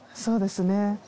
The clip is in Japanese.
そうですね。